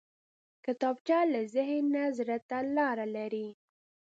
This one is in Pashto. کتابچه له ذهن نه زړه ته لاره لري